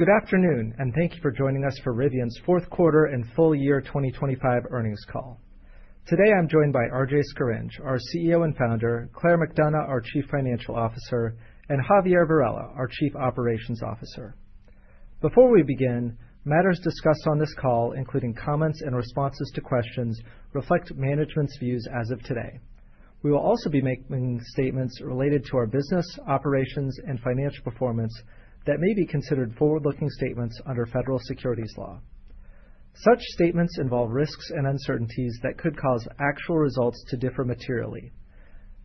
Good afternoon, and thank you for joining us for Rivian's fourth quarter and full year 2025 earnings call. Today, I'm joined by RJ Scaringe, our CEO and Founder, Claire McDonough, our Chief Financial Officer, and Javier Varela, our Chief Operating Officer. Before we begin, matters discussed on this call, including comments and responses to questions, reflect management's views as of today. We will also be making statements related to our business, operations, and financial performance that may be considered forward-looking statements under federal securities law. Such statements involve risks and uncertainties that could cause actual results to differ materially.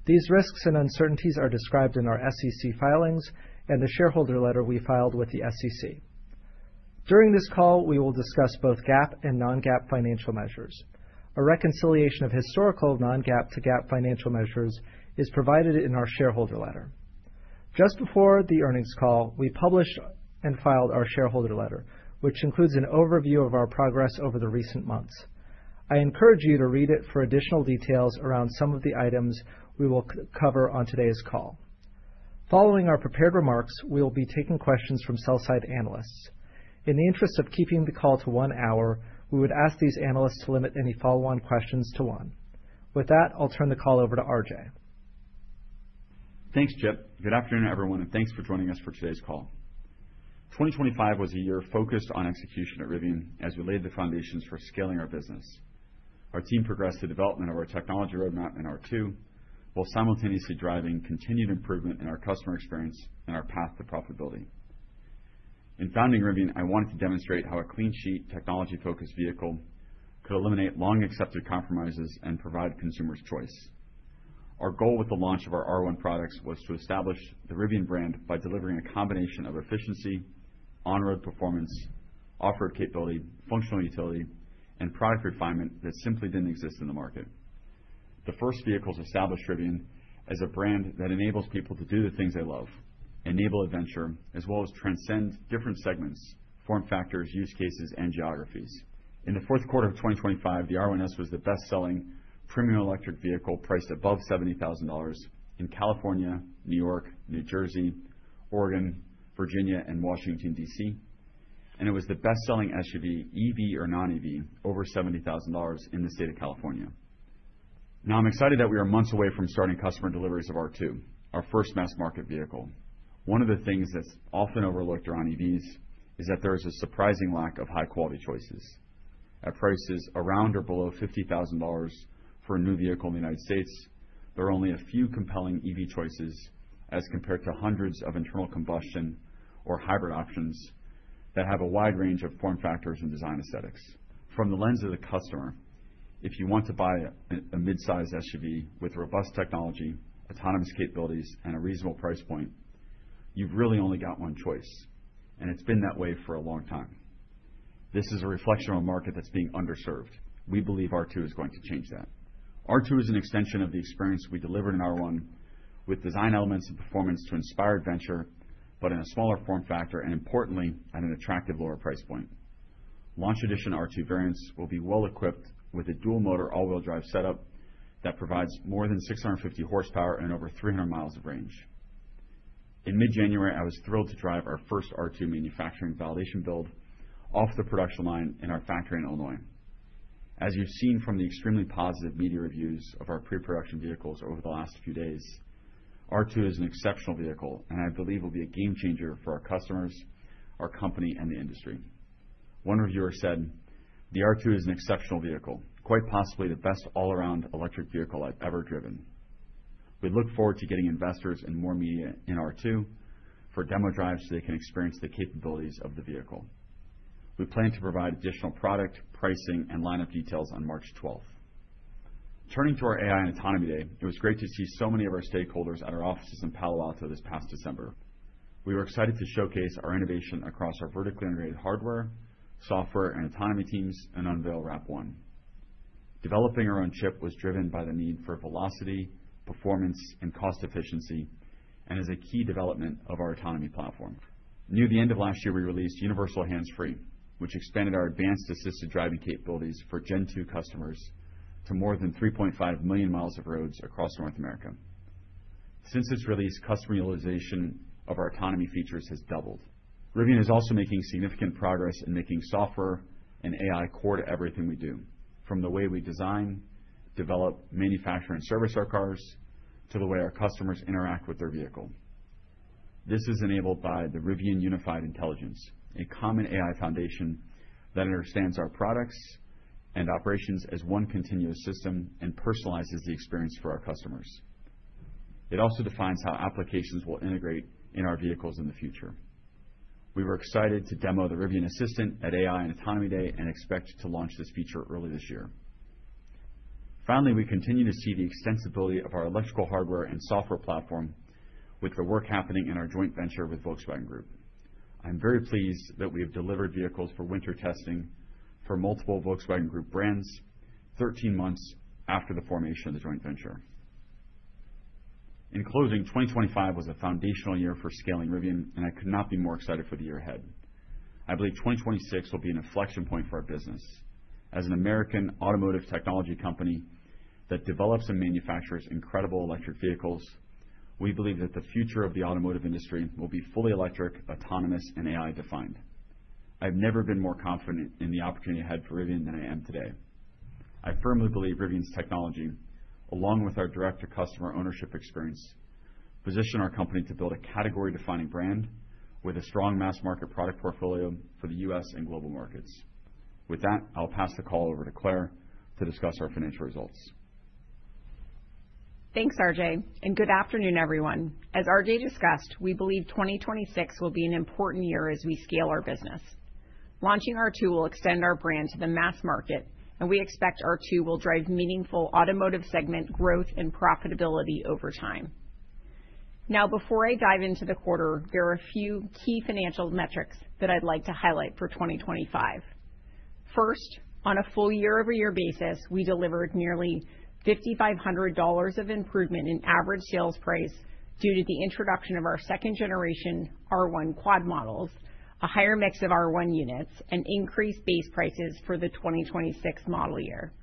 These risks and uncertainties are described in our SEC filings and the shareholder letter we filed with the SEC. During this call, we will discuss both GAAP and non-GAAP financial measures. A reconciliation of historical non-GAAP to GAAP financial measures is provided in our shareholder letter. Just before the earnings call, we published and filed our shareholder letter, which includes an overview of our progress over the recent months. I encourage you to read it for additional details around some of the items we will cover on today's call. Following our prepared remarks, we will be taking questions from sell-side analysts. In the interest of keeping the call to one hour, we would ask these analysts to limit any follow-on questions to one. With that, I'll turn the call over to RJ. Thanks, Chip. Good afternoon, everyone, and thanks for joining us for today's call. 2025 was a year focused on execution at Rivian as we laid the foundations for scaling our business. Our team progressed the development of our technology roadmap in R2, while simultaneously driving continued improvement in our customer experience and our path to profitability. In founding Rivian, I wanted to demonstrate how a clean sheet, technology-focused vehicle could eliminate long-accepted compromises and provide consumers choice. Our goal with the launch of our R1 products was to establish the Rivian brand by delivering a combination of efficiency, on-road performance, off-road capability, functional utility, and product refinement that simply didn't exist in the market. The first vehicles established Rivian as a brand that enables people to do the things they love, enable adventure, as well as transcend different segments, form factors, use cases, and geographies. In the fourth quarter of 2025, the R1S was the best-selling premium electric vehicle priced above $70,000 in California, New York, New Jersey, Oregon, Virginia, and Washington, D.C., and it was the best-selling SUV, EV or non-EV, over $70,000 in the state of California. Now, I'm excited that we are months away from starting customer deliveries of R2, our first mass market vehicle. One of the things that's often overlooked around EVs is that there is a surprising lack of high-quality choices. At prices around or below $50,000 for a new vehicle in the United States, there are only a few compelling EV choices, as compared to hundreds of internal combustion or hybrid options that have a wide range of form factors and design aesthetics. From the lens of the customer, if you want to buy a midsize SUV with robust technology, autonomous capabilities, and a reasonable price point, you've really only got one choice, and it's been that way for a long time. This is a reflection on a market that's being underserved. We believe R2 is going to change that. R2 is an extension of the experience we delivered in R1 with design elements and performance to inspire adventure, but in a smaller form factor and importantly, at an attractive, lower price point. Launch Edition R2 variants will be well equipped with a dual motor, all-wheel drive setup that provides more than 650 horsepower and over 300 miles of range. In mid-January, I was thrilled to drive our first R2 manufacturing validation build off the production line in our factory in Illinois. As you've seen from the extremely positive media reviews of our pre-production vehicles over the last few days, R2 is an exceptional vehicle and I believe will be a game changer for our customers, our company, and the industry. One reviewer said, "The R2 is an exceptional vehicle, quite possibly the best all-around electric vehicle I've ever driven." We look forward to getting investors and more media in R2 for demo drives, so they can experience the capabilities of the vehicle. We plan to provide additional product, pricing, and lineup details on March 12th. Turning to our AI & Autonomy Day, it was great to see so many of our stakeholders at our offices in Palo Alto this past December. We were excited to showcase our innovation across our vertically integrated hardware, software, and autonomy teams and unveil RAP1. Developing our own chip was driven by the need for velocity, performance, and cost efficiency, and is a key development of our autonomy platform. Near the end of last year, we released Universal Hands-Free, which expanded our advanced assisted driving capabilities for Gen 2 customers to more than 3.5 million miles of roads across North America. Since its release, customer utilization of our autonomy features has doubled. Rivian is also making significant progress in making software and AI core to everything we do, from the way we design, develop, manufacture, and service our cars, to the way our customers interact with their vehicle. This is enabled by the Rivian Unified Intelligence, a common AI foundation that understands our products and operations as one continuous system and personalizes the experience for our customers. It also defines how applications will integrate in our vehicles in the future. We were excited to demo the Rivian Assistant at AI & Autonomy Day, and expect to launch this feature early this year. Finally, we continue to see the extensibility of our electrical hardware and software platform with the work happening in our joint venture with Volkswagen Group. I'm very pleased that we have delivered vehicles for winter testing for multiple Volkswagen Group brands, 13 months after the formation of the joint venture. In closing, 2025 was a foundational year for scaling Rivian, and I could not be more excited for the year ahead. I believe 2026 will be an inflection point for our business. As an American automotive technology company that develops and manufactures incredible electric vehicles, we believe that the future of the automotive industry will be fully electric, autonomous, and AI-defined. I've never been more confident in the opportunity ahead for Rivian than I am today. I firmly believe Rivian's technology, along with our direct-to-customer ownership experience, position our company to build a category-defining brand with a strong mass-market product portfolio for the U.S. and global markets. With that, I'll pass the call over to Claire to discuss our financial results. Thanks, RJ, and good afternoon, everyone. As RJ discussed, we believe 2026 will be an important year as we scale our business. Launching R2 will extend our brand to the mass market, and we expect R2 will drive meaningful automotive segment growth and profitability over time. Now, before I dive into the quarter, there are a few key financial metrics that I'd like to highlight for 2025. First, on a full year-over-year basis, we delivered nearly $5,500 of improvement in average sales price due to the introduction of our second generation R1 quad models, a higher mix of R1 units, and increased base prices for the 2026 model year.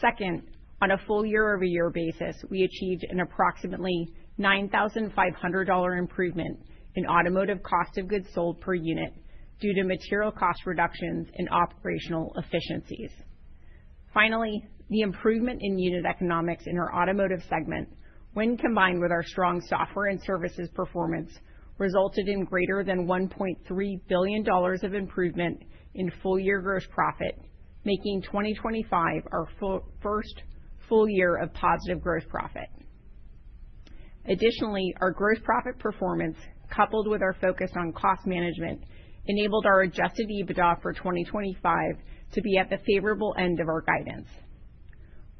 Second, on a full year-over-year basis, we achieved an approximately $9,500 improvement in automotive cost of goods sold per unit due to material cost reductions and operational efficiencies. Finally, the improvement in unit economics in our automotive segment, when combined with our strong software and services performance, resulted in greater than $1.3 billion of improvement in full year gross profit, making 2025 our first full year of positive gross profit. Additionally, our gross profit performance, coupled with our focus on cost management, enabled our adjusted EBITDA for 2025 to be at the favorable end of our guidance.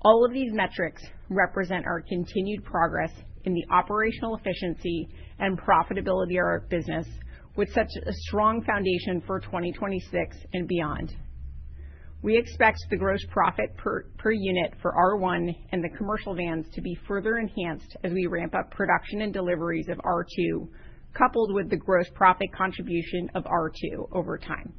All of these metrics represent our continued progress in the operational efficiency and profitability of our business with such a strong foundation for 2026 and beyond. We expect the gross profit per unit for R1 and the commercial vans to be further enhanced as we ramp up production and deliveries of R2, coupled with the gross profit contribution of R2 over time.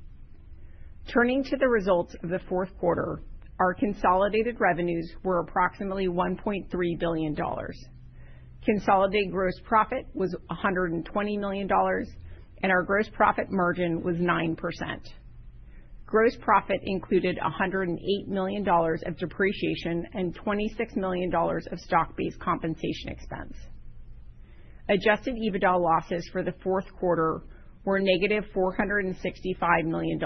Turning to the results of the fourth quarter, our consolidated revenues were approximately $1.3 billion. Consolidated gross profit was $120 million, and our gross profit margin was 9%. Gross profit included $108 million of depreciation and $26 million of stock-based compensation expense. Adjusted EBITDA losses for the fourth quarter were -$465 million,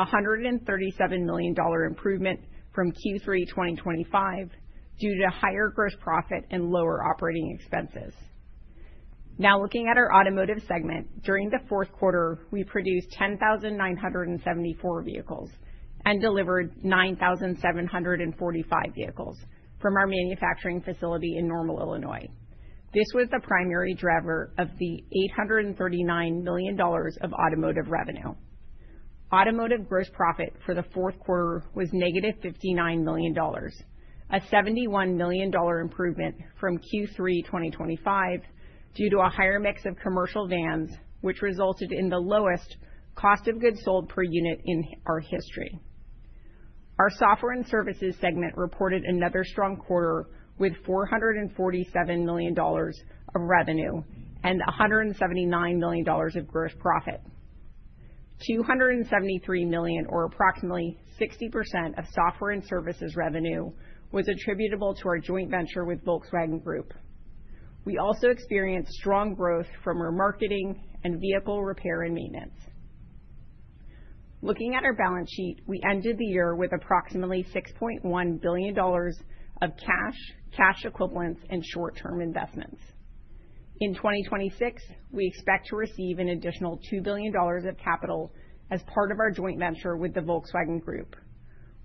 a $137 million improvement from Q3 2025 due to higher gross profit and lower operating expenses. Now, looking at our automotive segment, during the fourth quarter, we produced 10,974 vehicles and delivered 9,745 vehicles from our manufacturing facility in Normal, Illinois. This was the primary driver of the $839 million of automotive revenue. Automotive gross profit for the fourth quarter was -$59 million, a $71 million improvement from Q3 2025 due to a higher mix of commercial vans, which resulted in the lowest cost of goods sold per unit in our history. Our software and services segment reported another strong quarter with $447 million of revenue and $179 million of gross profit. $273 million, or approximately 60% of software and services revenue, was attributable to our joint venture with Volkswagen Group. We also experienced strong growth from our marketing and vehicle repair and maintenance. Looking at our balance sheet, we ended the year with approximately $6.1 billion of cash, cash equivalents, and short-term investments. In 2026, we expect to receive an additional $2 billion of capital as part of our joint venture with the Volkswagen Group.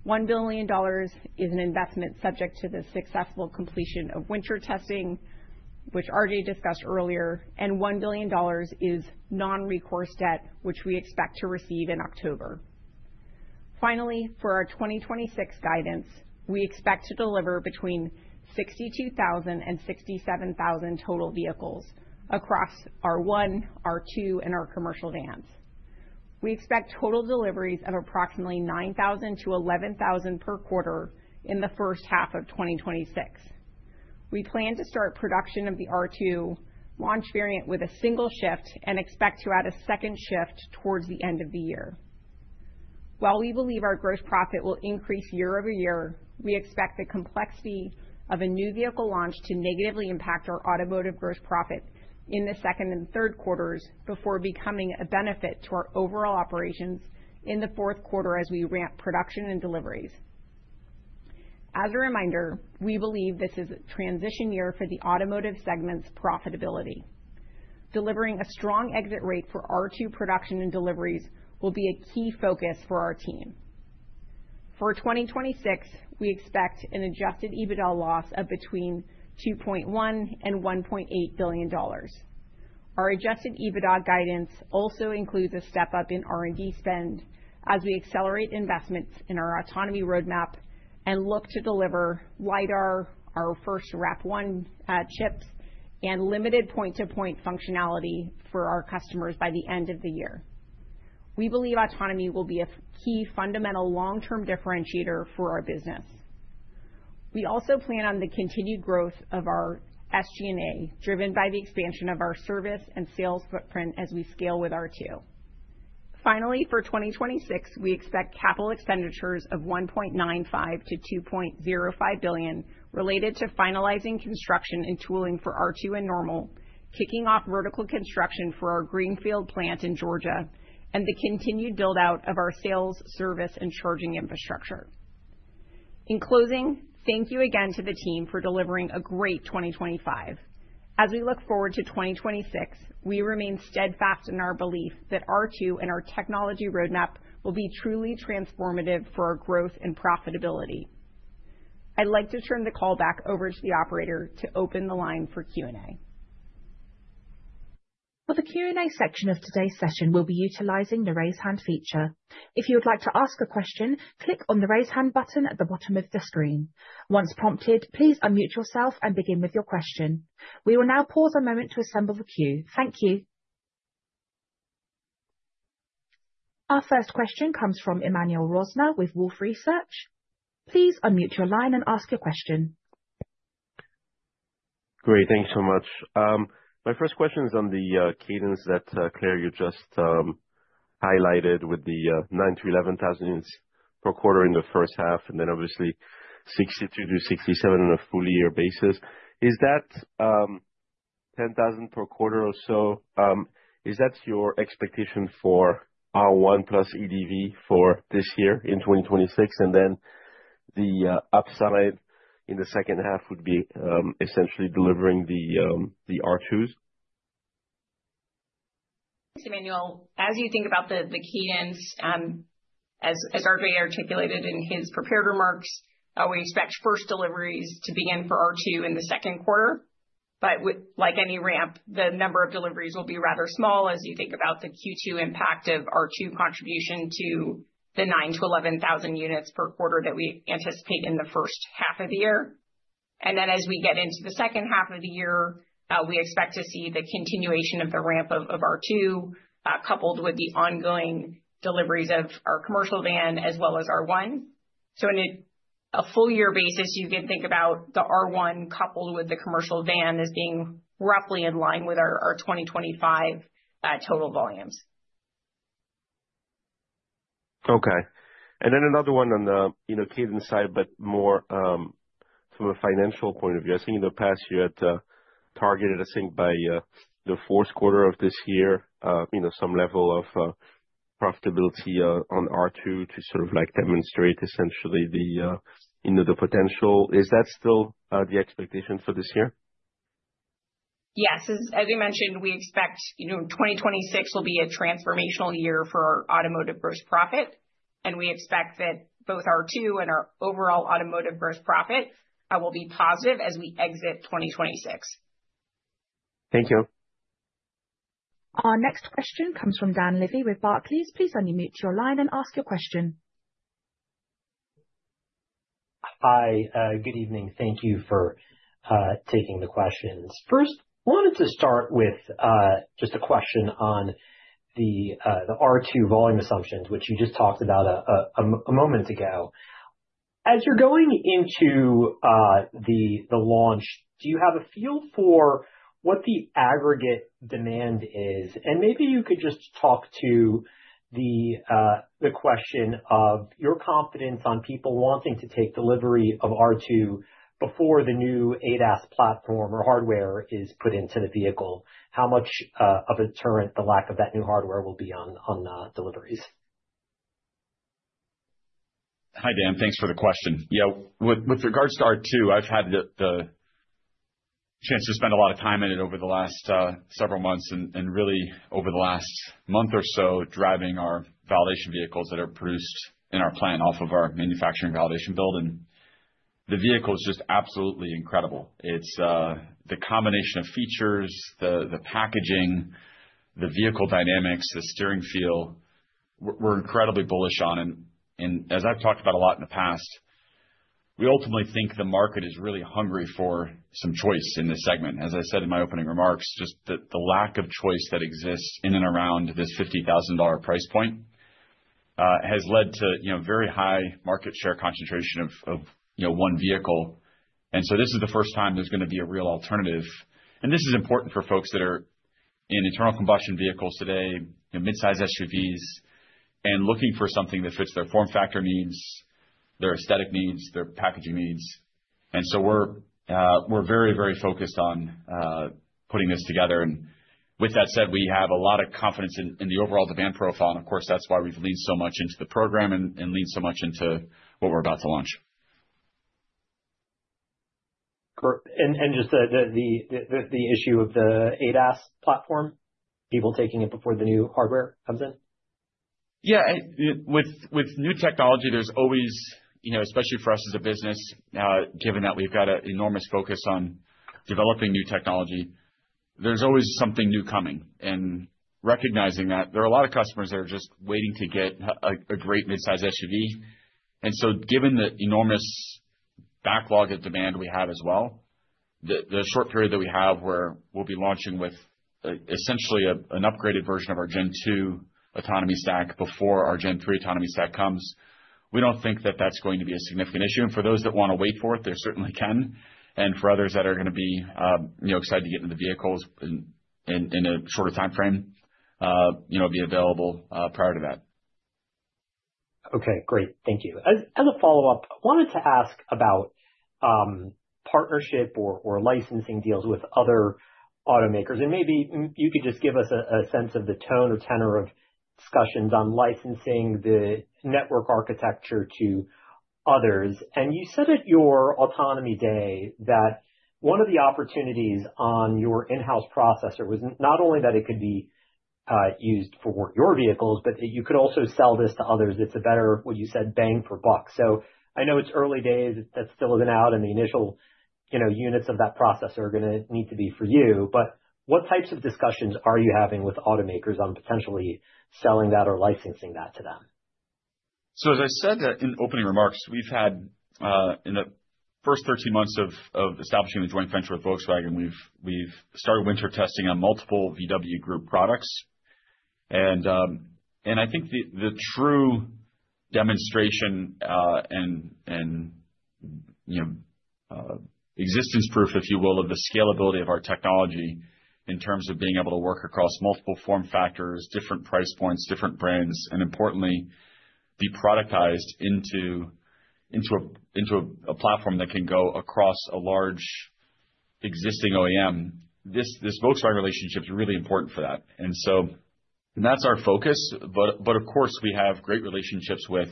$1 billion is an investment subject to the successful completion of winter testing, which RJ discussed earlier, and $1 billion is non-recourse debt, which we expect to receive in October. Finally, for our 2026 guidance, we expect to deliver between 62,000-67,000 total vehicles across R1, R2, and our commercial vans. We expect total deliveries of approximately 9,000-11,000 per quarter in the first half of 2026. We plan to start production of the R2 launch variant with a single shift and expect to add a second shift towards the end of the year. While we believe our gross profit will increase year-over-year, we expect the complexity of a new vehicle launch to negatively impact our automotive gross profit in the second and third quarters before becoming a benefit to our overall operations in the fourth quarter as we ramp production and deliveries. As a reminder, we believe this is a transition year for the automotive segment's profitability. Delivering a strong exit rate for R2 production and deliveries will be a key focus for our team. For 2026, we expect an adjusted EBITDA loss of between $2.1 billion and $1.8 billion. Our adjusted EBITDA guidance also includes a step-up in R&D spend as we accelerate investments in our autonomy roadmap and look to deliver LiDAR, our first RAP1 chips, and limited point-to-point functionality for our customers by the end of the year. We believe autonomy will be a key fundamental long-term differentiator for our business. We also plan on the continued growth of our SG&A, driven by the expansion of our service and sales footprint as we scale with R2. Finally, for 2026, we expect capital expenditures of $1.95 billion-$2.05 billion, related to finalizing construction and tooling for R2 and Normal, kicking off vertical construction for our greenfield plant in Georgia, and the continued build-out of our sales, service, and charging infrastructure. In closing, thank you again to the team for delivering a great 2025. As we look forward to 2026, we remain steadfast in our belief that R2 and our technology roadmap will be truly transformative for our growth and profitability. I'd like to turn the call back over to the operator to open the line for Q&A. For the Q&A section of today's session, we'll be utilizing the Raise Hand feature. If you would like to ask a question, click on the Raise Hand button at the bottom of the screen. Once prompted, please unmute yourself and begin with your question. We will now pause a moment to assemble the queue. Thank you. Our first question comes from Emmanuel Rosner with Wolfe Research. Please unmute your line and ask your question. Great. Thank you so much. My first question is on the cadence that Claire, you just highlighted with the 9,000-11,000 units per quarter in the first half, and then obviously 62,000-67,000 on a full year basis. Is that 10,000 per quarter or so, is that your expectation for R1 plus EDV for this year in 2026? And then the upside in the second half would be essentially delivering the R2s? Thanks, Emmanuel. As you think about the cadence, as RJ articulated in his prepared remarks, we expect first deliveries to begin for R2 in the second quarter. But, like any ramp, the number of deliveries will be rather small as you think about the Q2 impact of R2 contribution to the 9-11,000 units per quarter that we anticipate in the first half of the year. And then as we get into the second half of the year, we expect to see the continuation of the ramp of R2, coupled with the ongoing deliveries of our commercial van as well as R1. So on a full year basis, you can think about the R1 coupled with the commercial van as being roughly in line with our 2025 total volumes. Okay. Then another one on the, you know, cadence side, but more from a financial point of view. I think in the past, you had targeted, I think, by the fourth quarter of this year, you know, some level of profitability on R2 to sort of like demonstrate essentially the, you know, the potential. Is that still the expectation for this year? Yes. As we mentioned, we expect, you know, 2026 will be a transformational year for our automotive gross profit, and we expect that both R2 and our overall automotive gross profit will be positive as we exit 2026. Thank you. Our next question comes from Dan Levy with Barclays. Please unmute your line and ask your question. Hi, good evening. Thank you for taking the questions. First, I wanted to start with just a question on the R2 volume assumptions, which you just talked about a moment ago. As you're going into the launch, do you have a feel for what the aggregate demand is? And maybe you could just talk to the question of your confidence on people wanting to take delivery of R2 before the new ADAS platform or hardware is put into the vehicle. How much of a deterrent the lack of that new hardware will be on deliveries? Hi, Dan. Thanks for the question. Yeah, with regards to R2, I've had the chance to spend a lot of time in it over the last several months and really over the last month or so, driving our validation vehicles that are produced in our plant off of our manufacturing validation building. The vehicle is just absolutely incredible. It's the combination of features, the packaging, the vehicle dynamics, the steering feel. We're incredibly bullish on it. And as I've talked about a lot in the past, we ultimately think the market is really hungry for some choice in this segment. As I said in my opening remarks, just the lack of choice that exists in and around this $50,000 price point has led to, you know, very high market share concentration of, you know, one vehicle. This is the first time there's gonna be a real alternative. This is important for folks that are in internal combustion vehicles today, you know, mid-size SUVs, and looking for something that fits their form factor needs, their aesthetic needs, their packaging needs. We're very, very focused on putting this together. With that said, we have a lot of confidence in the overall demand profile, and of course, that's why we've leaned so much into the program and leaned so much into what we're about to launch. Great. And just the issue of the ADAS platform, people taking it before the new hardware comes in? Yeah. With new technology, there's always, you know, especially for us as a business, given that we've got an enormous focus on developing new technology, there's always something new coming. Recognizing that, there are a lot of customers that are just waiting to get a great mid-size SUV. So given the enormous backlog of demand we have as well, the short period that we have where we'll be launching with essentially an upgraded version of our Gen 2 autonomy stack before our Gen 3 autonomy stack comes, we don't think that that's going to be a significant issue. And for those that wanna wait for it, they certainly can, and for others that are gonna be, you know, excited to get into the vehicles in a shorter timeframe, you know, it'll be available prior to that. Okay, great. Thank you. As a follow-up, I wanted to ask about partnership or licensing deals with other automakers, and maybe you could just give us a sense of the tone or tenor of discussions on licensing the network architecture to others. And you said at your autonomy day that one of the opportunities on your in-house processor was not only that it could be used for your vehicles, but you could also sell this to others. It's a better, what you said, bang for buck. So I know it's early days, that's still an out, and the initial, you know, units of that processor are gonna need to be for you, but what types of discussions are you having with automakers on potentially selling that or licensing that to them? So, as I said in opening remarks, we've had in the first 13 months of establishing a joint venture with Volkswagen, we've started winter testing on multiple VW Group products. And I think the true demonstration, and you know, existence proof, if you will, of the scalability of our technology in terms of being able to work across multiple form factors, different price points, different brands, and importantly, be productized into a platform that can go across a large existing OEM. This Volkswagen relationship is really important for that. And so that's our focus, but of course, we have great relationships with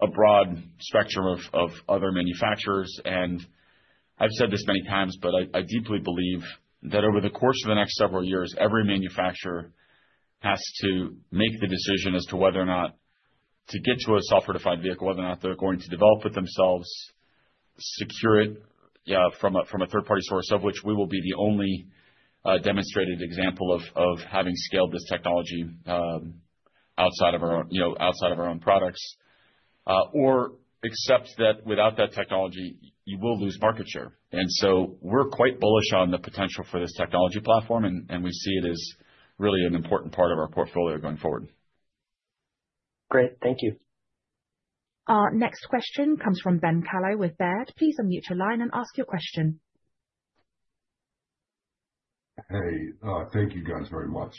a broad spectrum of other manufacturers. I've said this many times, but I deeply believe that over the course of the next several years, every manufacturer has to make the decision as to whether or not to get to a software-defined vehicle, whether or not they're going to develop it themselves, secure it from a third-party source, of which we will be the only demonstrated example of having scaled this technology outside of our own, you know, outside of our own products, or accept that without that technology, you will lose market share. So we're quite bullish on the potential for this technology platform, and we see it as really an important part of our portfolio going forward. Great. Thank you. Next question comes from Ben Kallo with Baird. Please unmute your line and ask your question. Hey, thank you, guys, very much.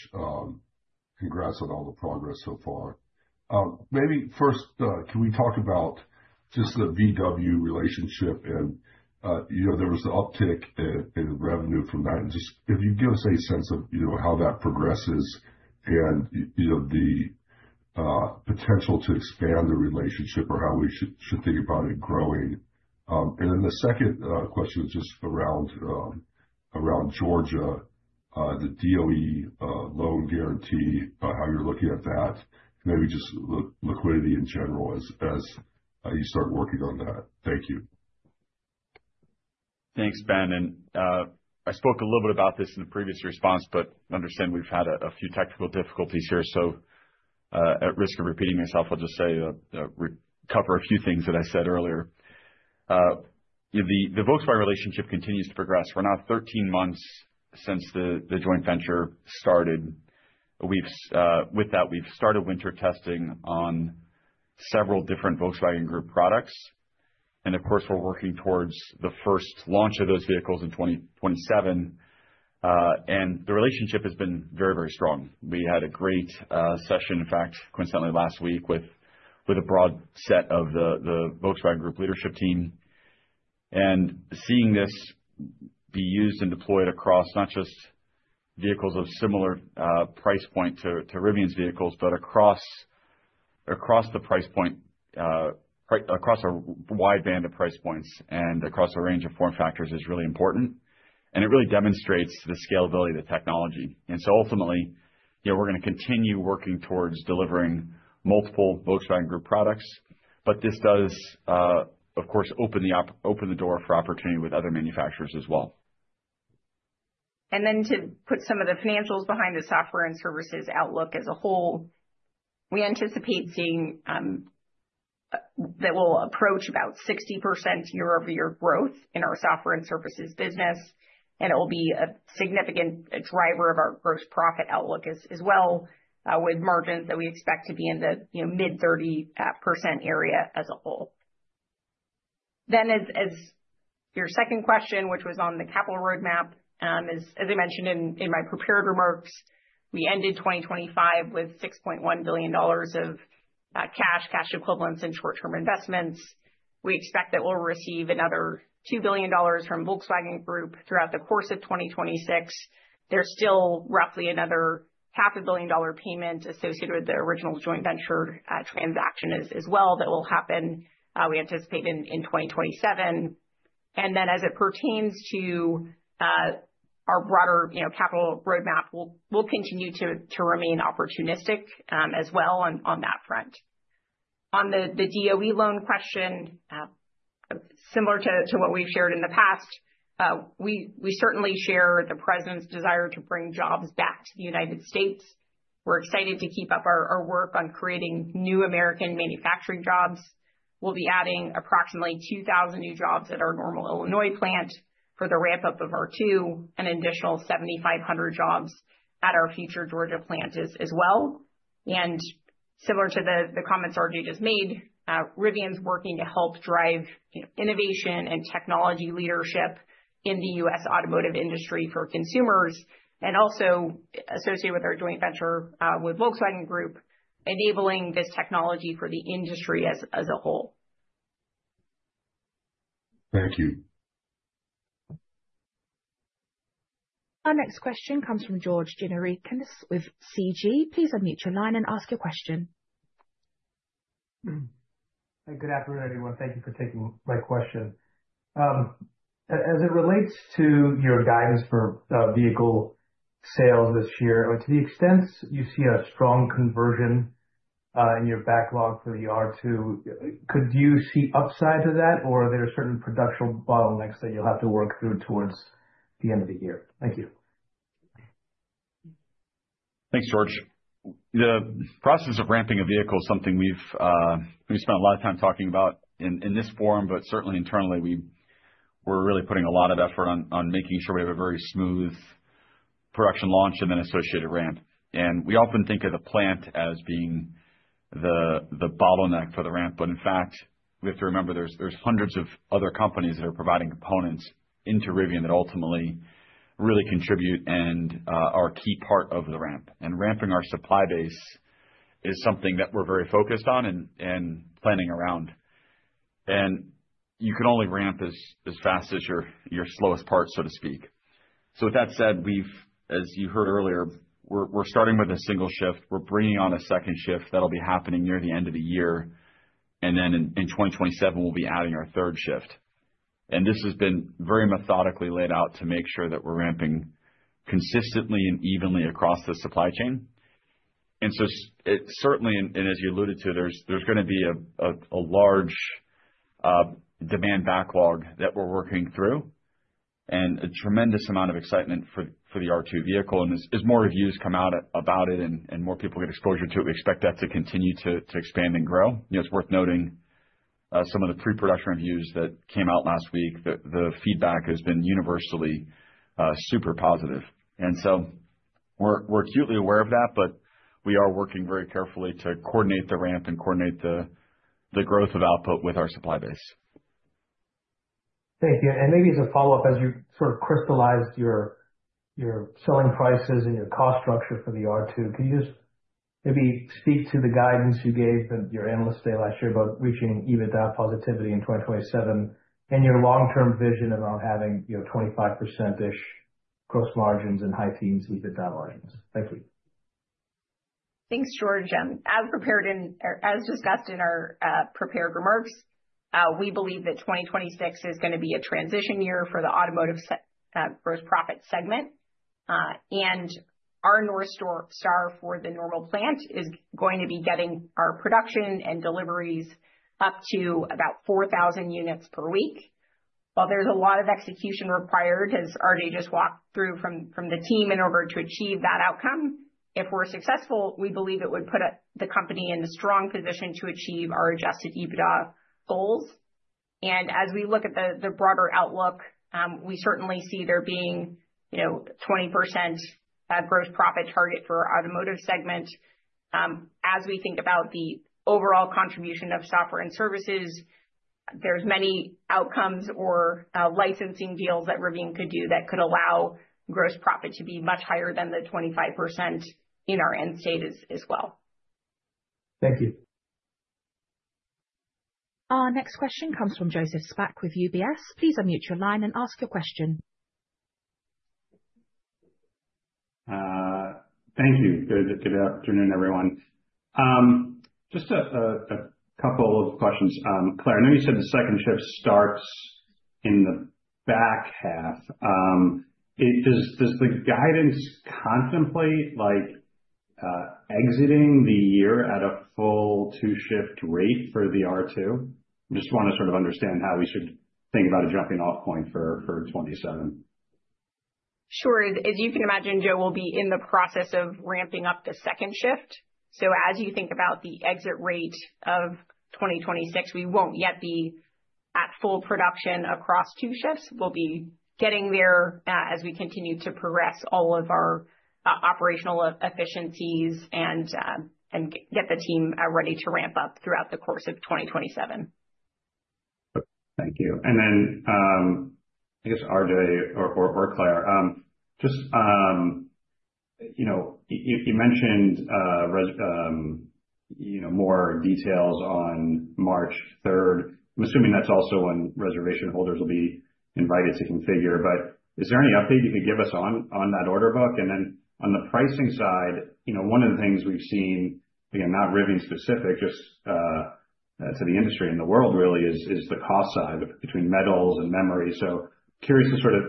Congrats on all the progress so far. Maybe first, can we talk about just the VW relationship and, you know, there was an uptick in revenue from that. And just if you can give us a sense of, you know, how that progresses and, you know, the potential to expand the relationship or how we should, should think about it growing. And then the second question is just around Georgia, the DOE loan guarantee, how you're looking at that, maybe just liquidity in general as you start working on that. Thank you. Thanks, Ben. I spoke a little bit about this in a previous response, but I understand we've had a few technical difficulties here. So, at risk of repeating myself, I'll just say, recover a few things that I said earlier. The Volkswagen relationship continues to progress. We're now 13 months since the joint venture started. With that, we've started winter testing on several different Volkswagen Group products, and of course, we're working towards the first launch of those vehicles in 2027. The relationship has been very, very strong. We had a great session, in fact, coincidentally last week, with a broad set of the Volkswagen Group leadership team. Seeing this be used and deployed across not just vehicles of similar price point to Rivian's vehicles, but across the price point across a wide band of price points and across a range of form factors is really important, and it really demonstrates the scalability of the technology. So ultimately, you know, we're gonna continue working towards delivering multiple Volkswagen Group products, but this does, of course, open the door for opportunity with other manufacturers as well. And then to put some of the financials behind the software and services outlook as a whole, we anticipate seeing that we'll approach about 60% year-over-year growth in our software and services business, and it will be a significant driver of our gross profit outlook as well, with margins that we expect to be in the, you know, mid-30% area as a whole. Then as your second question, which was on the capital roadmap, as I mentioned in my prepared remarks, we ended 2025 with $6.1 billion of cash, cash equivalents, and short-term investments. We expect that we'll receive another $2 billion from Volkswagen Group throughout the course of 2026. There's still roughly another $500 million payment associated with the original joint venture transaction as well that will happen, we anticipate in 2027. And then, as it pertains to our broader, you know, capital roadmap, we'll continue to remain opportunistic as well on that front. On the DOE loan question, similar to what we've shared in the past, we certainly share the president's desire to bring jobs back to the United States. We're excited to keep up our work on creating new American manufacturing jobs. We'll be adding approximately 2,000 new jobs at our Normal, Illinois plant for the ramp up of R2, an additional 7,500 jobs at our future Georgia plant as well. Similar to the comments RJ just made, Rivian's working to help drive innovation and technology leadership in the U.S. automotive industry for consumers, and also associated with our joint venture with Volkswagen Group, enabling this technology for the industry as a whole. Thank you. Our next question comes from George Gianarikas with CG. Please unmute your line and ask your question. Hey, good afternoon, everyone. Thank you for taking my question. As it relates to your guidance for vehicle sales this year, to the extent you see a strong conversion in your backlog for the R2, could you see upside to that, or are there certain production bottlenecks that you'll have to work through towards the end of the year? Thank you. Thanks, George. The process of ramping a vehicle is something we've spent a lot of time talking about in this forum, but certainly internally, we're really putting a lot of effort on making sure we have a very smooth production launch and then associated ramp. We often think of the plant as being the bottleneck for the ramp, but in fact, we have to remember there's hundreds of other companies that are providing components into Rivian that ultimately really contribute and are a key part of the ramp. Ramping our supply base is something that we're very focused on and planning around. You can only ramp as fast as your slowest part, so to speak. With that said, as you heard earlier, we're starting with a single shift. We're bringing on a second shift. That'll be happening near the end of the year. And then in 2027, we'll be adding our third shift. And this has been very methodically laid out to make sure that we're ramping consistently and evenly across the supply chain. And so it certainly, and as you alluded to, there's gonna be a large demand backlog that we're working through, and a tremendous amount of excitement for the R2 vehicle. And as more reviews come out about it and more people get exposure to it, we expect that to continue to expand and grow. You know, it's worth noting some of the pre-production reviews that came out last week, the feedback has been universally super positive. And so we're acutely aware of that, but we are working very carefully to coordinate the ramp and the growth of output with our supply base. Thank you. Maybe as a follow-up, as you sort of crystallized your, your selling prices and your cost structure for the R2, can you just maybe speak to the guidance you gave at your analyst day last year about reaching EBITDA positivity in 2027 and your long-term vision about having, you know, 25%-ish gross margins and high teens EBITDA margins? Thank you. Thanks, George. As prepared in or as discussed in our prepared remarks, we believe that 2026 is gonna be a transition year for the automotive gross profit segment. And our North Star for the Normal plant is going to be getting our production and deliveries up to about 4,000 units per week. While there's a lot of execution required, as RJ just walked through from the team, in order to achieve that outcome, if we're successful, we believe it would put the company in a strong position to achieve our adjusted EBITDA goals. And as we look at the broader outlook, we certainly see there being, you know, 20% gross profit target for our automotive segment. As we think about the overall contribution of software and services, there's many outcomes or licensing deals that Rivian could do that could allow gross profit to be much higher than the 25% in our end state as well. Thank you. Our next question comes from Joseph Spak with UBS. Please unmute your line and ask your question. Thank you. Good afternoon, everyone. Just a couple of questions. Claire, I know you said the second shift starts in the back half. Does the guidance contemplate, like, exiting the year at a full 2-shift rate for the R2? Just want to sort of understand how we should think about a jumping off point for 2027. Sure. As you can imagine, Joe, we'll be in the process of ramping up the second shift. So as you think about the exit rate of 2026, we won't yet be at full production across two shifts. We'll be getting there, as we continue to progress all of our operational efficiencies and get the team ready to ramp up throughout the course of 2027. Thank you. And then, I guess, RJ or Claire, just, you know, you mentioned, you know, more details on March third. I'm assuming that's also when reservation holders will be invited to configure, but is there any update you can give us on that order book? And then on the pricing side, you know, one of the things we've seen, again, not Rivian specific, just to the industry and the world really is the cost side between metals and memory. So curious to sort of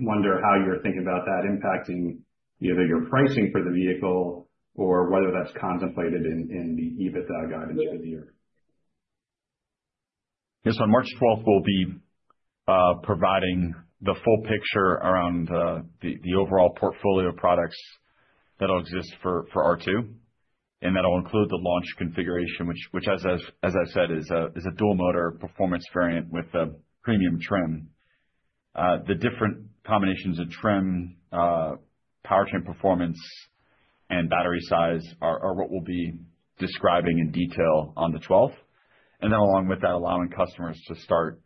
wonder how you're thinking about that impacting either your pricing for the vehicle or whether that's contemplated in the EBITDA guidance for the year. Yes, on March 12th, we'll be providing the full picture around the overall portfolio of products that'll exist for R2, and that'll include the launch configuration, which as I've said, is a dual motor performance variant with a premium trim. The different combinations of trim, powertrain performance and battery size are what we'll be describing in detail on the 12th. And then along with that, allowing customers to start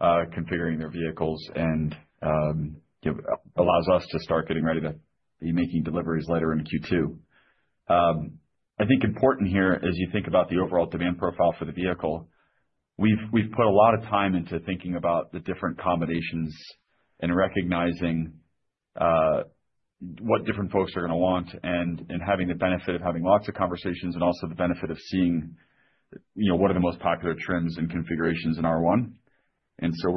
configuring their vehicles and allows us to start getting ready to be making deliveries later in Q2. I think important here, as you think about the overall demand profile for the vehicle, we've put a lot of time into thinking about the different combinations and recognizing what different folks are gonna want, and having the benefit of having lots of conversations, and also the benefit of seeing, you know, what are the most popular trends and configurations in R1. And so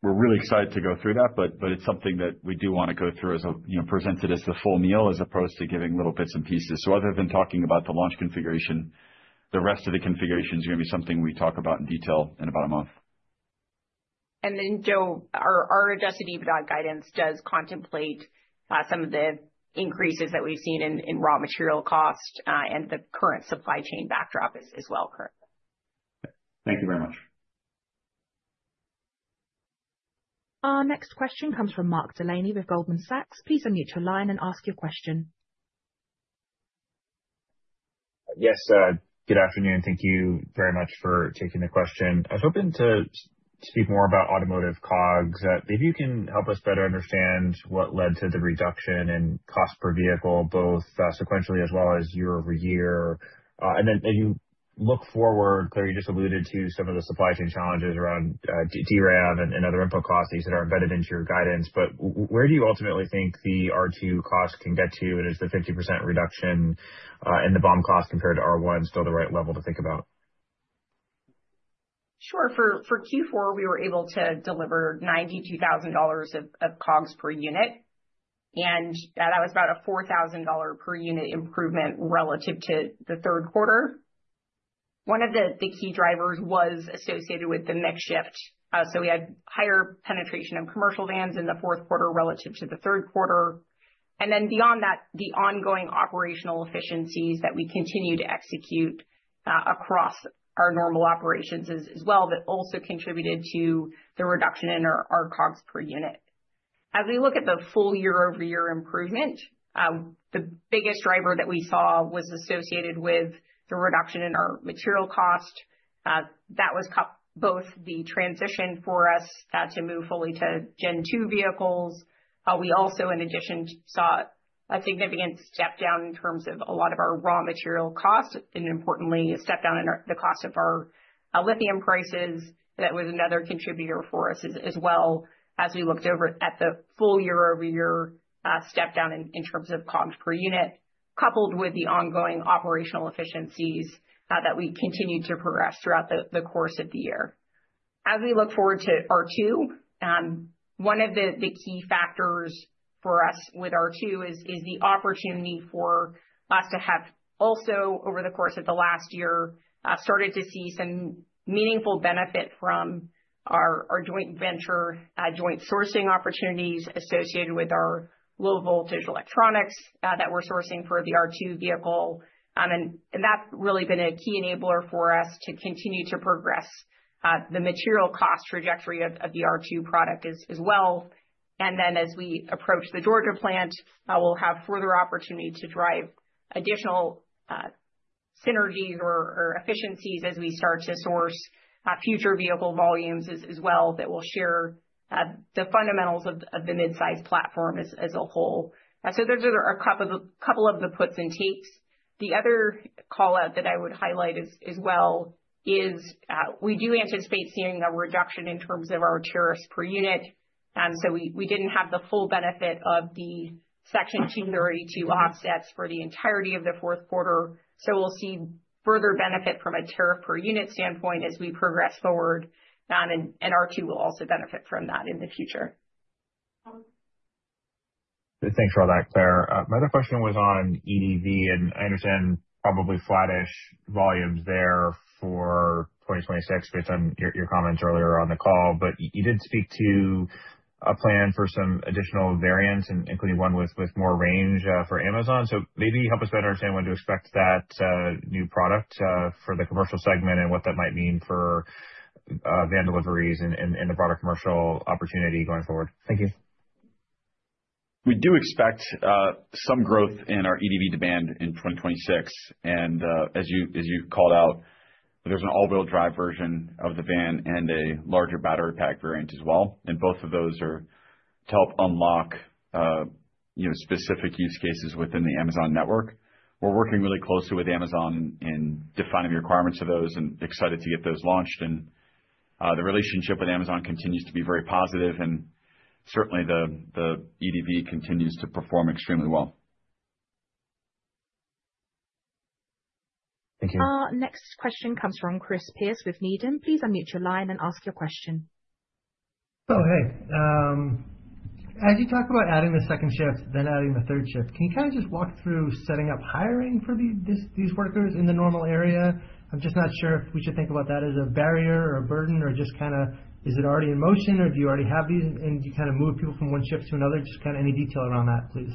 we're really excited to go through that, but it's something that we do wanna go through as a, you know, presented as the full meal, as opposed to giving little bits and pieces. So other than talking about the launch configuration, the rest of the configuration is gonna be something we talk about in detail in about a month. Then, Joe, our adjusted EBITDA guidance does contemplate some of the increases that we've seen in raw material costs and the current supply chain backdrop as well, correct. Thank you very much. Our next question comes from Mark Delaney with Goldman Sachs. Please unmute your line and ask your question. Yes, good afternoon. Thank you very much for taking the question. I was hoping to speak more about automotive COGS. Maybe you can help us better understand what led to the reduction in cost per vehicle, both sequentially as well as year-over-year. And then as you look forward, Claire, you just alluded to some of the supply chain challenges around DRAM and other input costs, these that are embedded into your guidance. But where do you ultimately think the R2 costs can get to? And is the 50% reduction in the BOM cost compared to R1 still the right level to think about? Sure. For Q4, we were able to deliver $92,000 of COGS per unit, and that was about a $4,000 per unit improvement relative to the third quarter. One of the key drivers was associated with the mix shift. So we had higher penetration of commercial vans in the fourth quarter relative to the third quarter. And then beyond that, the ongoing operational efficiencies that we continue to execute across our normal operations as well, that also contributed to the reduction in our COGS per unit. As we look at the full year-over-year improvement, the biggest driver that we saw was associated with the reduction in our material cost. That was both the transition for us to move fully to Gen 2 vehicles. We also, in addition, saw a significant step down in terms of a lot of our raw material costs, and importantly, a step down in the cost of our lithium prices. That was another contributor for us as well, as we looked over at the full year-over-year step down in terms of COGS per unit, coupled with the ongoing operational efficiencies that we continued to progress throughout the course of the year. As we look forward to R2, one of the key factors for us with R2 is the opportunity for us to have also, over the course of the last year, started to see some meaningful benefit from our joint venture joint sourcing opportunities associated with our low voltage electronics that we're sourcing for the R2 vehicle. And that's really been a key enabler for us to continue to progress the material cost trajectory of the R2 product as well. And then as we approach the Georgia plant, we'll have further opportunity to drive additional synergies or efficiencies as we start to source future vehicle volumes as well, that will share the fundamentals of the mid-size platform as a whole. So those are a couple of the puts and takes. The other call out that I would highlight as well is we do anticipate seeing a reduction in terms of our tariffs per unit. So we didn't have the full benefit of the Section 232 offsets for the entirety of the fourth quarter. So we'll see further benefit from a tariff per unit standpoint as we progress forward, and R2 will also benefit from that in the future. Thanks for all that, Claire. My other question was on EDV, and I understand probably flattish volumes there for 2026, based on your, your comments earlier on the call. But you did speak to a plan for some additional variants, including one with more range for Amazon. So maybe help us better understand when to expect that new product for the commercial segment, and what that might mean for van deliveries and the broader commercial opportunity going forward. Thank you. We do expect some growth in our EDV demand in 2026, and as you called out, there's an all-wheel drive version of the van and a larger battery pack variant as well, and both of those are to help unlock you know, specific use cases within the Amazon network. We're working really closely with Amazon in defining the requirements of those and excited to get those launched. The relationship with Amazon continues to be very positive, and certainly the EDV continues to perform extremely well. Thank you. Our next question comes from Chris Pierce with Needham. Please unmute your line and ask your question. Oh, hey, as you talk about adding the second shift, then adding the third shift, can you kind of just walk through setting up hiring for these workers in the Normal area? I'm just not sure if we should think about that as a barrier or a burden or just kind of is it already in motion, or do you already have these and you kind of move people from one shift to another? Just kind of any detail around that, please.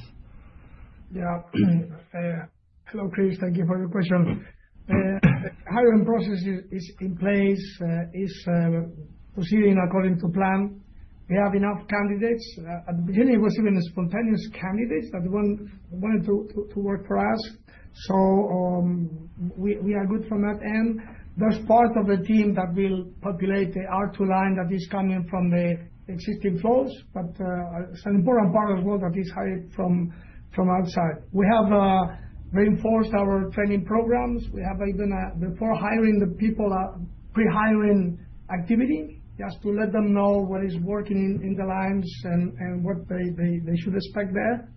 Yeah. Hello, Chris. Thank you for your question. The hiring process is in place, proceeding according to plan. We have enough candidates. At the beginning, we're receiving spontaneous candidates that wanted to work for us. So, we are good from that end. There's part of the team that will populate the R2 line that is coming from the existing flows, but it's an important part as well, that is hired from outside. We have reinforced our training programs. We have even a before hiring the people, a pre-hiring activity, just to let them know what is working in the lines and what they should expect there.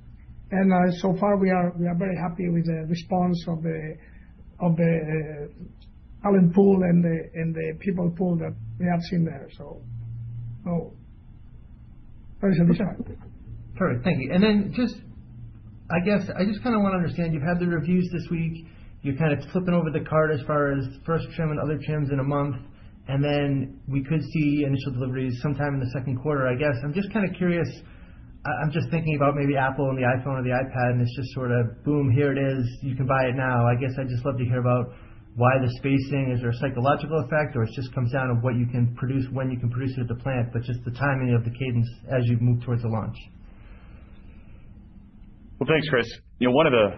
And, so far, we are very happy with the response of the talent pool and the people pool that we have seen there. So, Perfect. Thank you. And then just—I guess, I just kind of wanna understand, you've had the reviews this week. You're kind of flipping over the card as far as first trim and other trims in a month, and then we could see initial deliveries sometime in the second quarter, I guess. I'm just kind of curious, I'm just thinking about maybe Apple and the iPhone or the iPad, and it's just sort of, boom, here it is, you can buy it now. I guess I'd just love to hear about why the spacing. Is there a psychological effect, or it just comes down to what you can produce, when you can produce it at the plant, but just the timing of the cadence as you move towards the launch? Well, thanks, Chris. You know, one of the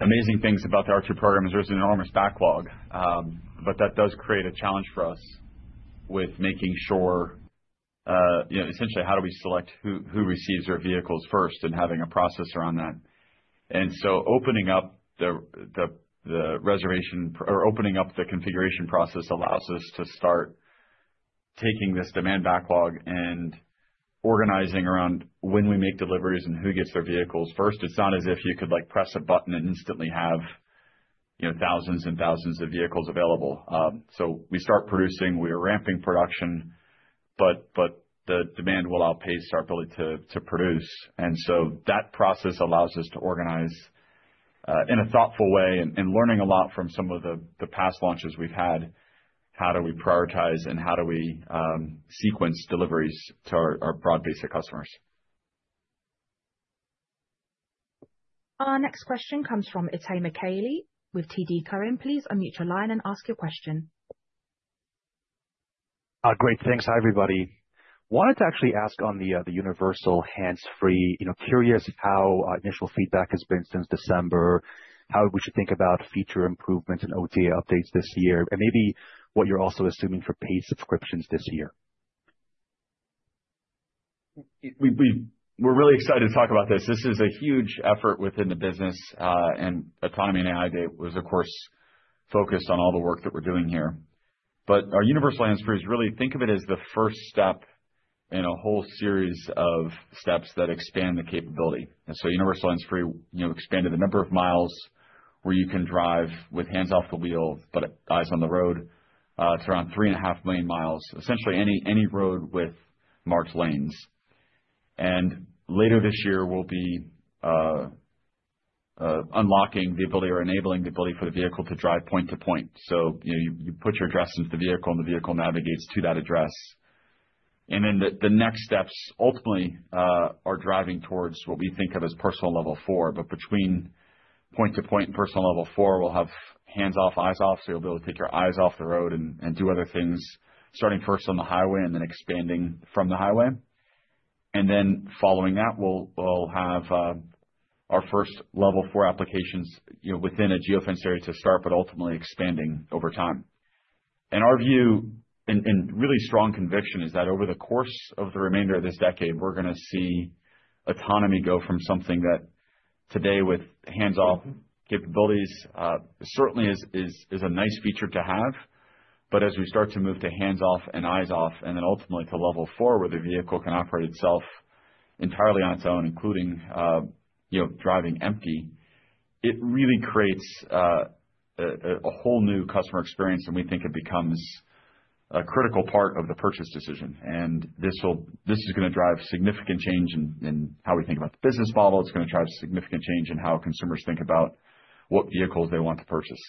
amazing things about the R2 program is there's an enormous backlog. But that does create a challenge for us with making sure, you know, essentially, how do we select who receives their vehicles first and having a process around that. And so opening up the reservation or opening up the configuration process allows us to start taking this demand backlog and organizing around when we make deliveries and who gets their vehicles first. It's not as if you could, like, press a button and instantly have, you know, thousands and thousands of vehicles available. So we start producing, we are ramping production, but the demand will outpace our ability to produce. That process allows us to organize in a thoughtful way, learning a lot from some of the past launches we've had, how do we prioritize and how do we sequence deliveries to our broad base of customers? Our next question comes from Itay Michaeli with TD Cowen. Please unmute your line and ask your question. Great, thanks. Hi, everybody. Wanted to actually ask on the Universal Hands-Free, you know, curious how initial feedback has been since December, how we should think about feature improvements and OTA updates this year, and maybe what you're also assuming for paid subscriptions this year. We're really excited to talk about this. This is a huge effort within the business, and Autonomy and AI Day was, of course, focused on all the work that we're doing here. But our Universal Hands-Free is really think of it as the first step in a whole series of steps that expand the capability. And so Universal Hands-Free, you know, expanded the number of miles where you can drive with hands off the wheel, but eyes on the road, to around 3.5 million miles, essentially any road with marked lanes. And later this year, we'll be unlocking the ability or enabling the ability for the vehicle to drive point-to-point. So, you know, you put your address into the vehicle, and the vehicle navigates to that address. And then the next steps, ultimately, are driving towards what we think of as Personal Level 4, but between point-to-point and Personal Level 4, we'll have hands-off, eyes-off, so you'll be able to take your eyes off the road and do other things, starting first on the highway and then expanding from the highway. And then following that, we'll have our first Level 4 applications, you know, within a geofence area to start, but ultimately expanding over time. And our view, and really strong conviction, is that over the course of the remainder of this decade, we're gonna see autonomy go from something that today with hands-off capabilities certainly is a nice feature to have. But as we start to move to hands off and eyes off, and then ultimately to Level 4, where the vehicle can operate itself entirely on its own, including, you know, driving empty, it really creates a whole new customer experience, and we think it becomes a critical part of the purchase decision. And this will—this is gonna drive significant change in how we think about the business model. It's gonna drive significant change in how consumers think about what vehicles they want to purchase.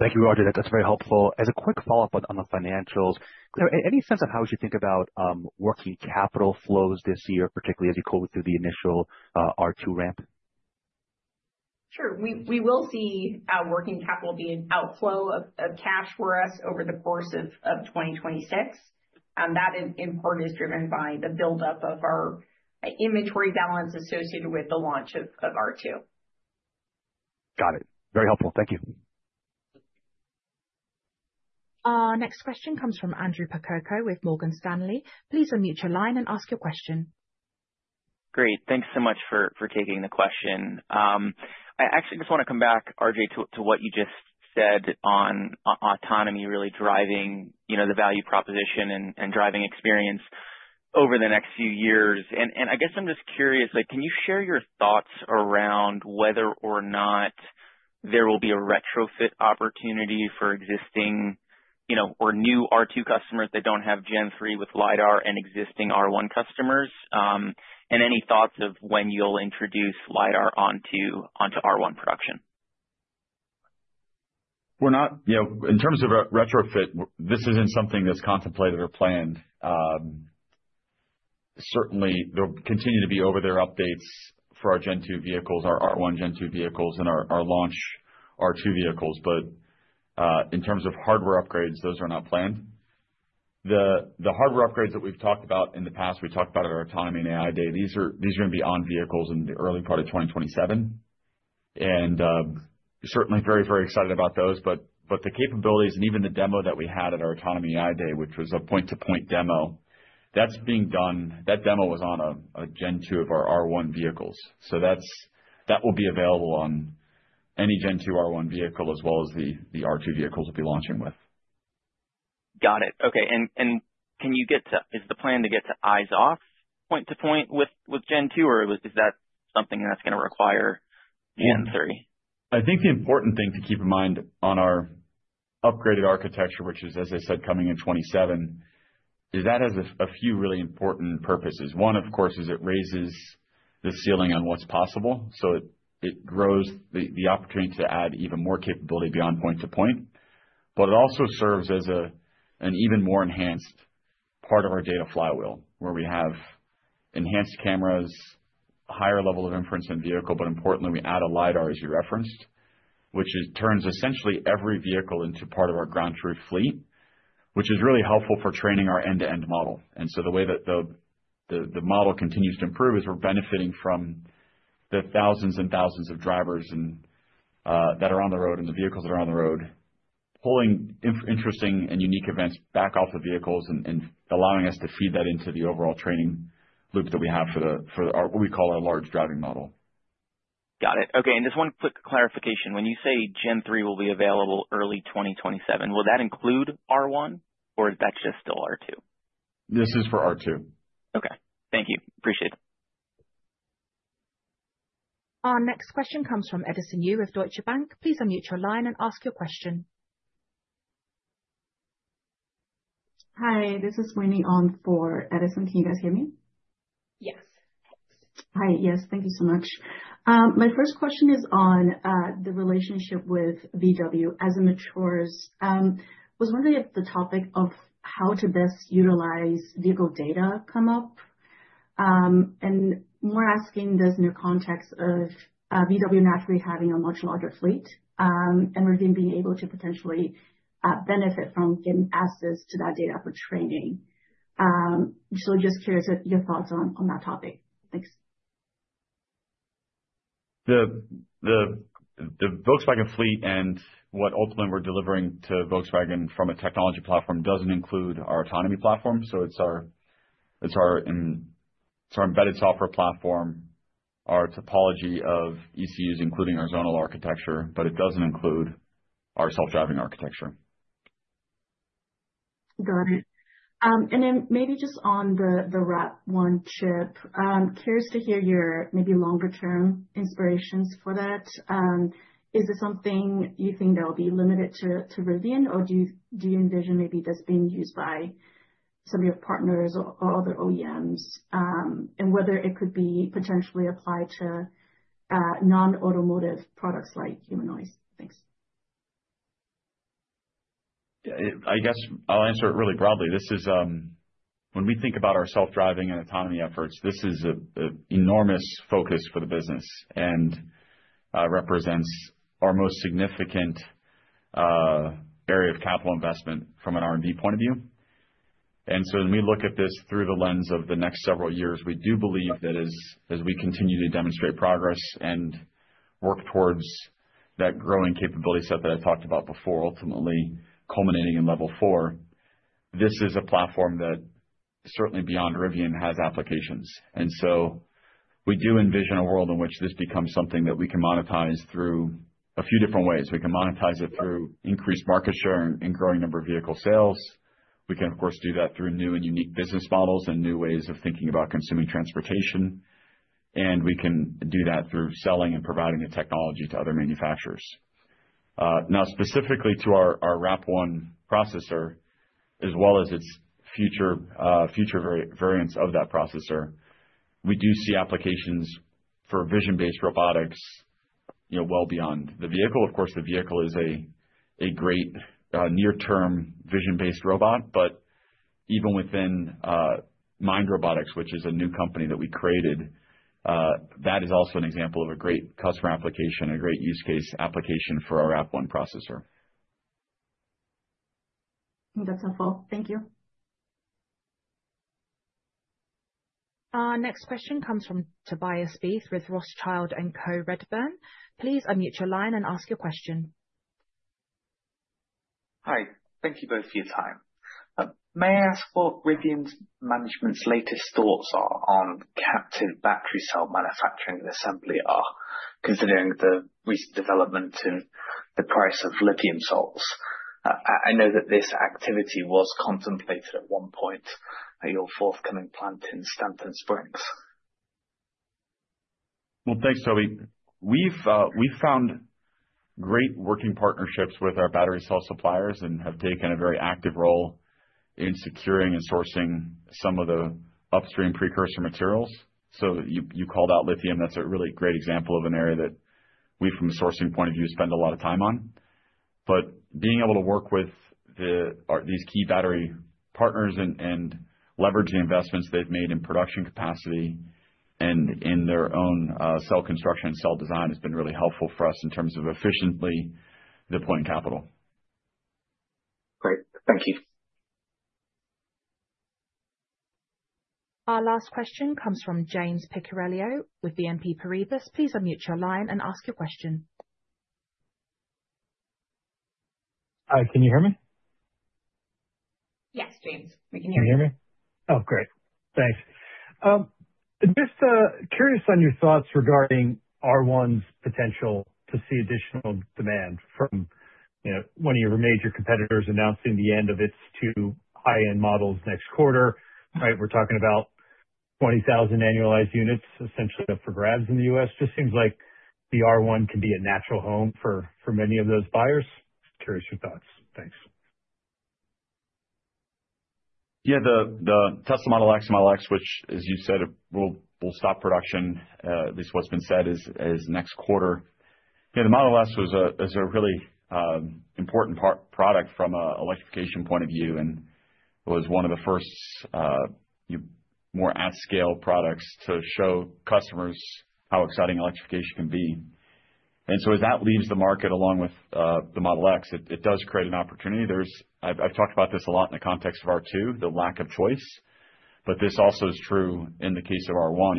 Thank you, RJ. That's very helpful. As a quick follow-up on the financials, Claire, any sense of how we should think about working capital flows this year, particularly as you go through the initial R2 ramp? Sure. We will see our working capital be an outflow of cash for us over the course of 2026. That is in part driven by the buildup of our inventory balance associated with the launch of R2. Got it. Very helpful. Thank you. Our next question comes from Andrew Percoco with Morgan Stanley. Please unmute your line and ask your question. Great. Thanks so much for, for taking the question. I actually just want to come back, RJ, to, to what you just said on autonomy really driving, you know, the value proposition and, and driving experience over the next few years. And, and I guess I'm just curious, like, can you share your thoughts around whether or not there will be a retrofit opportunity for existing, you know, or new R2 customers that don't have Gen 3 with LiDAR and existing R1 customers? And any thoughts of when you'll introduce LiDAR onto, onto R1 production? We're not, you know, in terms of a retrofit, this isn't something that's contemplated or planned. Certainly there will continue to be over-the-air updates for our Gen 2 vehicles, our R1 Gen 2 vehicles and our launch R2 vehicles. But in terms of hardware upgrades, those are not planned. The hardware upgrades that we've talked about in the past, we talked about at our Autonomy and AI Day, these are gonna be on vehicles in the early part of 2027. And certainly very excited about those, but the capabilities and even the demo that we had at our Autonomy and AI Day, which was a point-to-point demo, that's being done. That demo was on a Gen 2 of our R1 vehicles. That will be available on any Gen 2 R1 vehicle, as well as the R2 vehicles we'll be launching with. Got it. Okay, can you get to— is the plan to get to eyes-off point-to-point with Gen 2, or is that something that's gonna require Gen 3? I think the important thing to keep in mind on our upgraded architecture, which is, as I said, coming in 2027, is that has a, a few really important purposes. One, of course, is it raises the ceiling on what's possible, so it, it grows the, the opportunity to add even more capability beyond point-to-point. But it also serves as a, an even more enhanced part of our data flywheel, where we have enhanced cameras, a higher level of inference in vehicle, but importantly, we add a LiDAR, as you referenced, which is, turns essentially every vehicle into part of our ground truth fleet, which is really helpful for training our end-to-end model. And so the way that the model continues to improve is we're benefiting from the thousands and thousands of drivers and that are on the road and the vehicles that are on the road, pulling in interesting and unique events back off the vehicles and allowing us to feed that into the overall training loop that we have for our what we call our Large Driving Model. Got it. Okay, and just one quick clarification. When you say Gen 3 will be available early 2027, will that include R1, or is that just still R2? This is for R2. Okay. Thank you. Appreciate it. Our next question comes from Edison Yu with Deutsche Bank. Please unmute your line and ask your question. Hi, this is Winnie on for Edison. Can you guys hear me? Yes. Hi. Yes, thank you so much. My first question is on the relationship with VW as it matures. Was wondering if the topic of how to best utilize vehicle data come up? And more asking this in the context of VW naturally having a much larger fleet, and Rivian being able to potentially benefit from getting access to that data for training. So just curious at your thoughts on that topic. Thanks. The Volkswagen fleet and what ultimately we're delivering to Volkswagen from a technology platform doesn't include our autonomy platform, so it's our embedded software platform, our topology of ECUs, including our zonal architecture, but it doesn't include our self-driving architecture. Got it. And then maybe just on the RAP1 chip, curious to hear your maybe longer term inspirations for that. Is it something you think that will be limited to Rivian, or do you envision maybe this being used by some of your partners or other OEMs? And whether it could be potentially applied to non-automotive products like humanoids. Thanks. I, I guess I'll answer it really broadly. This is, When we think about our self-driving and autonomy efforts, this is a, a enormous focus for the business and, represents our most significant, area of capital investment from an R&D point of view. And so when we look at this through the lens of the next several years, we do believe that as, as we continue to demonstrate progress and work towards that growing capability set that I talked about before, ultimately culminating in Level 4, this is a platform that certainly beyond Rivian, has applications. And so we do envision a world in which this becomes something that we can monetize through a few different ways. We can monetize it through increased market share and, and growing number of vehicle sales. We can, of course, do that through new and unique business models and new ways of thinking about consuming transportation. And we can do that through selling and providing the technology to other manufacturers. Now, specifically to our RAP1 processor, as well as its future variants of that processor, we do see applications for vision-based robotics, you know, well beyond the vehicle. Of course, the vehicle is a great near-term vision-based robot, but even within Mind Robotics, which is a new company that we created, that is also an example of a great customer application, a great use case application for our RAP1 processor. That's helpful. Thank you. Our next question comes from Tobias Beith with Rothschild & Co Redburn. Please unmute your line and ask your question. Hi. Thank you both for your time. May I ask what Rivian's management's latest thoughts are on captive battery cell manufacturing and assembly are, considering the recent development in the price of lithium salts? I know that this activity was contemplated at one point at your forthcoming plant in Stanton Springs. Well, thanks, Toby. We've we've found great working partnerships with our battery cell suppliers and have taken a very active role in securing and sourcing some of the upstream precursor materials. So you called out lithium. That's a really great example of an area that we, from a sourcing point of view, spend a lot of time on. But being able to work with the these key battery partners and leveraging the investments they've made in production capacity and in their own cell construction and cell design, has been really helpful for us in terms of efficiently deploying capital. Great. Thank you. Our last question comes from James Picariello with BNP Paribas. Please unmute your line and ask your question. Can you hear me? Yes, James, we can hear you. Can you hear me? Oh, great. Thanks. Just curious on your thoughts regarding R1's potential to see additional demand from, you know, one of your major competitors announcing the end of its two high-end models next quarter, right? We're talking about 20,000 annualized units essentially up for grabs in the U.S. Just seems like the R1 can be a natural home for, for many of those buyers. Curious your thoughts. Thanks. Yeah, the Tesla Model X, which as you said, will stop production, at least what's been said is next quarter. Yeah, the Model S was a really important product from a electrification point of view, and was one of the first more at scale products to show customers how exciting electrification can be. And so as that leaves the market, along with the Model X, it does create an opportunity. There's... I've talked about this a lot in the context of R2, the lack of choice, but this also is true in the case of R1.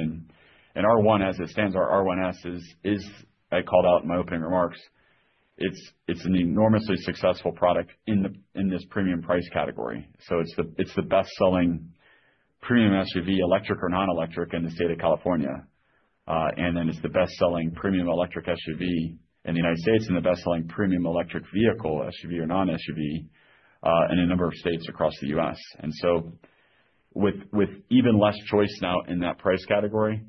And R1, as it stands, our R1S is, I called out in my opening remarks, it's an enormously successful product in this premium price category. So it's the best-selling premium SUV, electric or non-electric, in the state of California. And then it's the best-selling premium electric SUV in the United States, and the best-selling premium electric vehicle, SUV or non-SUV, in a number of states across the U.S. And so with even less choice now in that price category,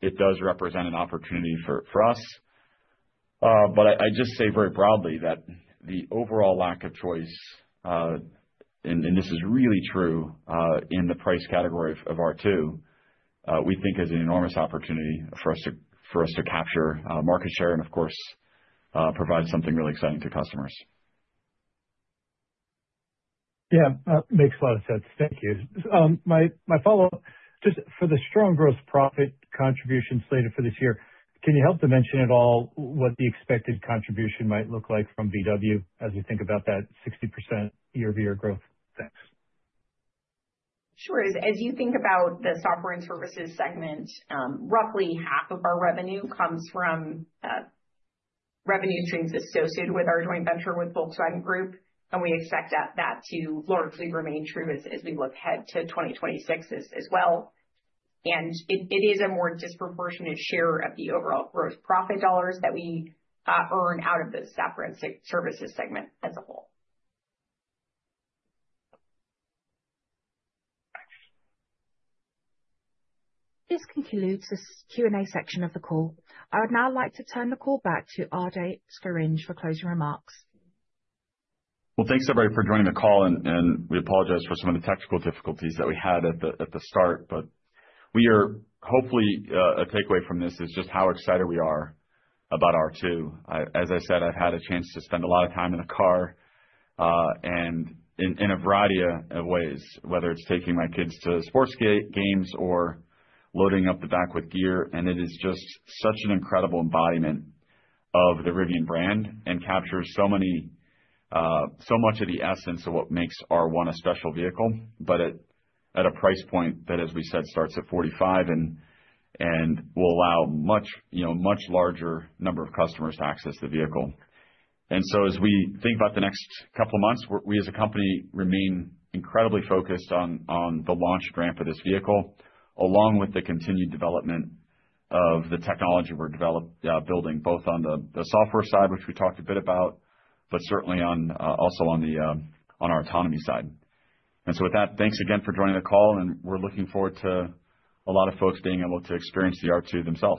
it does represent an opportunity for us. But I just say very proudly that the overall lack of choice, and this is really true, in the price category of R2, we think is an enormous opportunity for us to capture market share and, of course, provide something really exciting to customers. Yeah, makes a lot of sense. Thank you. My, my follow-up, just for the strong gross profit contribution slated for this year, can you help dimension at all what the expected contribution might look like from VW as you think about that 60% year-over-year growth? Thanks. Sure. As you think about the software and services segment, roughly half of our revenue comes from revenue streams associated with our joint venture with Volkswagen Group, and we expect that to largely remain true as we look ahead to 2026 as well. And it is a more disproportionate share of the overall gross profit dollars that we earn out of the software and services segment as a whole. Thanks. This concludes this Q&A section of the call. I would now like to turn the call back to RJ Scaringe for closing remarks. Well, thanks, everybody, for joining the call, and we apologize for some of the technical difficulties that we had at the start. But we are hopefully a takeaway from this is just how excited we are about R2. As I said, I've had a chance to spend a lot of time in the car, and in a variety of ways, whether it's taking my kids to sports games or loading up the back with gear. And it is just such an incredible embodiment of the Rivian brand and captures so much of the essence of what makes R1 a special vehicle. But at a price point that, as we said, starts at $45 and will allow much, you know, much larger number of customers to access the vehicle. As we think about the next couple of months, we as a company remain incredibly focused on the launch ramp for this vehicle, along with the continued development of the technology we're building, both on the software side, which we talked a bit about, but certainly also on our autonomy side. With that, thanks again for joining the call, and we're looking forward to a lot of folks being able to experience the R2 themselves.